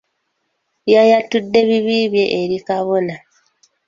Yayatudde ebibi bye eri kabona.